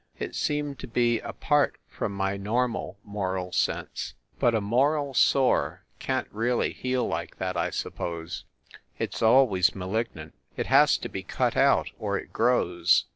It seemed to be apart from my normal moral sense. But a moral sore can t really heal like that, I suppose. It s always malignant. It has to be cut out, or it grows.